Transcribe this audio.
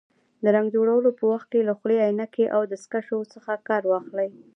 د رنګ جوړولو په وخت کې له خولۍ، عینکې او دستکشو څخه کار واخلئ.